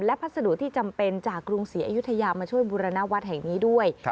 และพัสดุที่จำเป็นจากกรุงศรีอยุธยามาช่วยบูรณวัดแห่งนี้ด้วย